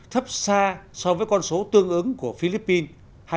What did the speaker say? thấp xa so với con số tương ứng của philippines